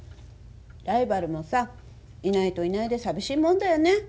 ライバルもさいないといないで寂しいもんだよね